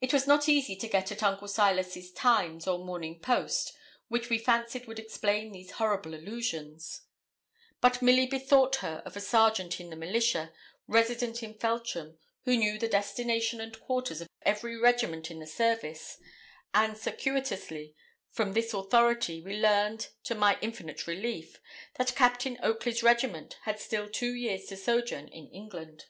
It was not easy to get at Uncle Silas's 'Times' or 'Morning Post,' which we fancied would explain these horrible allusions; but Milly bethought her of a sergeant in the militia, resident in Feltram, who knew the destination and quarters of every regiment in the service; and circuitously, from this authority, we learned, to my infinite relief, that Captain Oakley's regiment had still two years to sojourn in England.